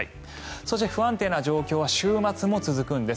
そして、不安定な状況は週末も続くんです。